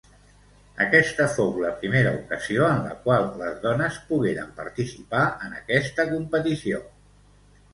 Aquesta fou la primera ocasió en la qual les dones pogueren participar en aquesta competició.